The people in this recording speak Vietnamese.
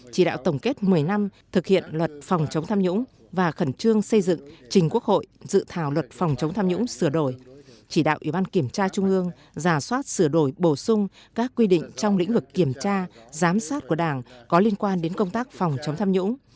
chỉ đạo tổng kết một mươi năm thực hiện luật phòng chống tham nhũng và khẩn trương xây dựng trình quốc hội dự thảo luật phòng chống tham nhũng sửa đổi chỉ đạo ủy ban kiểm tra trung ương giả soát sửa đổi bổ sung các quy định trong lĩnh vực kiểm tra giám sát của đảng có liên quan đến công tác phòng chống tham nhũng